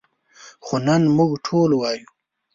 خو نن موږ ټول وایو.